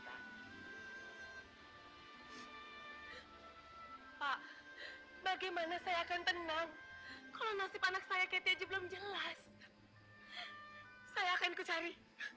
pak bagaimana saya akan tenang kalau nasib anak saya kete aja belum jelas saya akan kucari